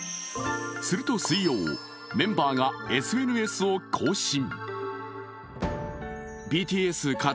すると水曜、メンバーがＳＮＳを更新。